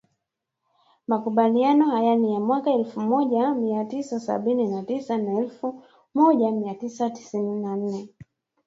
Makubaliano haya ni ya mwaka elfu moja mia tisa sabini na tisa na elfu moja mia tisa tisini na nne